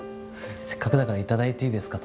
せっかくだから頂いていいですか？